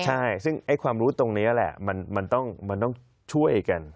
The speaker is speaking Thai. ใช่ซึ่งความรู้ตรงนี้แหละมันต้องช่วยกัน